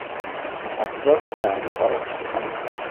Asiba ka daa muɣira.